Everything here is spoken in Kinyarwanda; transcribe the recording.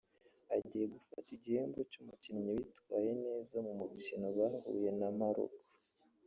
Agiye gufata igihembo cy’umukinnyi witwaye neza mu mukino bahuye na Morocco